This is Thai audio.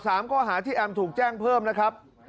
ข้อหาที่แอมถูกแจ้งเพิ่มนะครับ